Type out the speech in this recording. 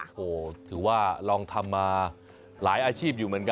โอ้โหถือว่าลองทำมาหลายอาชีพอยู่เหมือนกัน